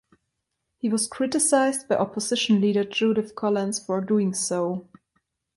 He was criticised by opposition leader Judith Collins for doing so.